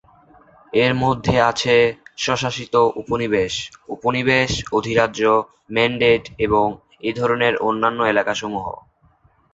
এর মধ্যে আছে স্বশাসিত উপনিবেশ, উপনিবেশ, অধিরাজ্য, ম্যান্ডেট এবং এ ধরনের অন্যান্য এলাকা সমূহ।